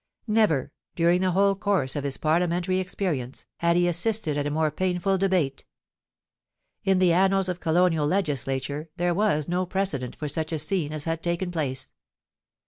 ... Never, during the whole course of his Parliamentary experience, had he assisted at a more painful debate. ... In the annals of colonial legislature there was no precedent for such a scene as had taken place.